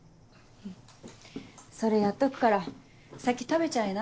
それやっとくから先食べちゃいな。